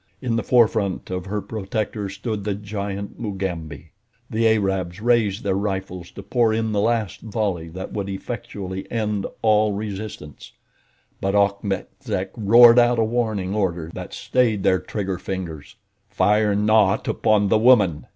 In the forefront of her protectors stood the giant Mugambi. The Arabs raised their rifles to pour in the last volley that would effectually end all resistance; but Achmet Zek roared out a warning order that stayed their trigger fingers. "Fire not upon the woman!"